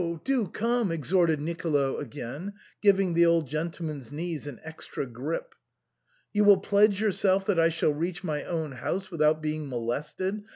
do come !" exhorted Nicolo again, giving the old gentleman's knees an extra grip. "You will pledge yourself that I shall reach my own house without being molested